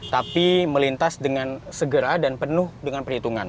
tapi melintas dengan segera dan penuh dengan perhitungan